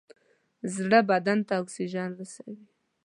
زړه بدن ته اکسیجن رسوي.